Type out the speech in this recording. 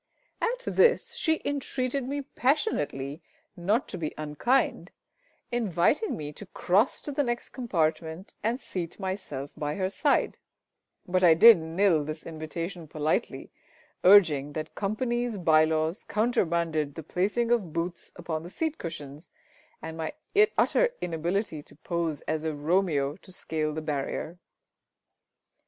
At this she entreated me passionately not to be unkind, inviting me to cross to the next compartment and seat myself by her side; but I did nill this invitation politely, urging that Company's bye laws countermanded the placing of boots upon the seat cushions, and my utter inability to pose as a Romeo to scale the barrier.